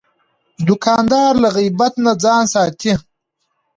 دوکاندار له غیبت نه ځان ساتي.